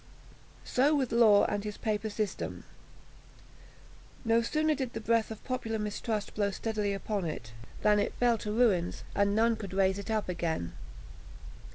So with Law and his paper system. No sooner did the breath of popular mistrust blow steadily upon it, than it fell to ruins, and none could raise it up again.